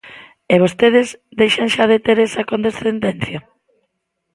E vostedes deixen xa de ter esa condescendencia.